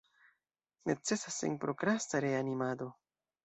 Necesas senprokrasta reanimado.